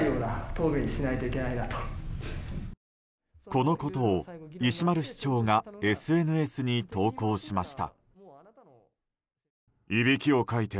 このことを石丸市長がＳＮＳに投稿しました。